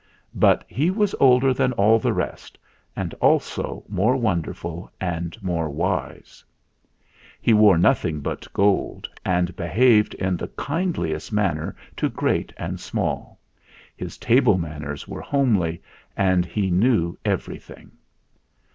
But he was older than all the rest, and also more wonderful and more wise. n6 THE FLINT HEART He wore nothing but gold, and behaved in the kindliest manner to great and small. His table manners were homely, and he knew every thing.